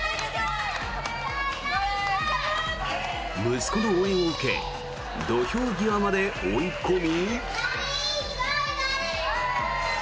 息子の応援を受け土俵際まで追い込み。